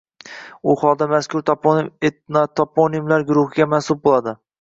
U holda mazkur toponim etnotoponimlar guruhiga mansub bo‘ladi